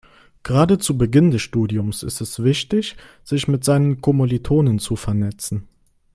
Gerade zu Beginn des Studiums ist es wichtig, sich mit seinen Kommilitonen zu vernetzen.